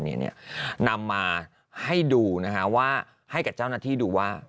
เนี้ยเนี้ยนำมาให้ดูนะฮะว่าให้กับเจ้าหน้าที่ดูว่า